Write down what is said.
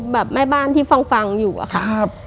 แบบแม่บ้านที่ฟังอยู่อะค่ะ